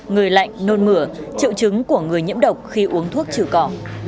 người lạnh nôn mửa triệu chứng của người nhiễm độc khi uống thuốc trừ cỏ